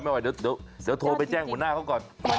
ไหวเดี๋ยวโทรไปแจ้งหัวหน้าเขาก่อน